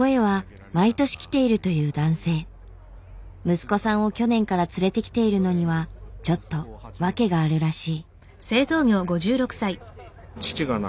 息子さんを去年から連れてきているのにはちょっと訳があるらしい。